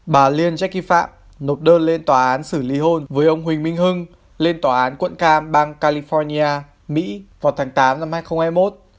bà liên jacki phạm nộp đơn lên tòa án xử lý hôn với ông huỳnh minh hưng lên tòa án quận cam bang california mỹ vào tháng tám năm hai nghìn hai mươi một